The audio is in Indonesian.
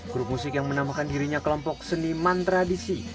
grup musik yang menamakan dirinya kelompok seni mantradisi